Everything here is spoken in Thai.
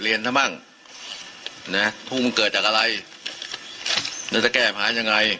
เรียนซะบ้างน่ะทุกมันเกิดจากอะไรแล้วจะแก้ภารณ์ยังไง